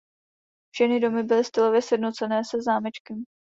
Všechny domy byly stylově sjednocené se zámečkem.